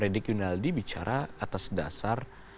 dia atas dasar